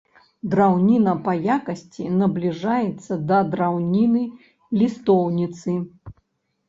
Драўніна па якасці набліжаецца да драўніны лістоўніцы.